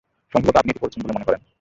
সম্ভবত আপনি এটি "পড়ছেন" বলে মনে করেন।